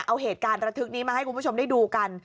เอาเหตุการณ์ระทึกนี้มาให้คุณผู้ชมได้ดูกัน